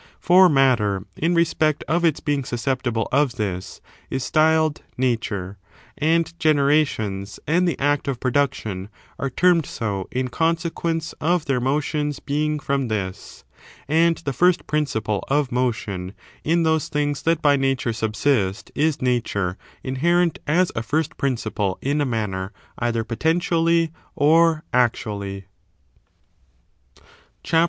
For matter, in respect of its being susceptible of this, is styled Natmre; and generatious and the act of production are termed so in consequence of their mo tions being from thi& And the first principle of motion, in those things that by Nature subsist, is Nature, inherent as a first principle in a manner either potentially or actually OH. v.